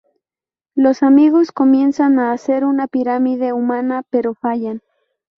Los amigos comienzan a hacer una pirámide humana, pero fallan.